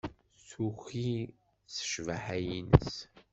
Tuki s ccbaḥa-nnes.